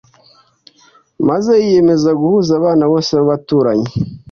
maze yiyemeza guhuza abana bose b’abaturanyi